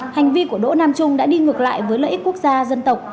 hành vi của đỗ nam trung đã đi ngược lại với lợi ích quốc gia dân tộc